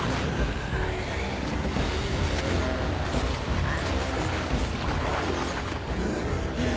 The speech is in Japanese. あっ！